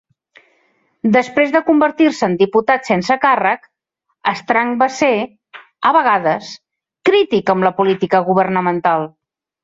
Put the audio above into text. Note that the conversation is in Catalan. Després de convertir-se en diputat sense càrrec, Strang va ser, a vegades, crític amb la política governamental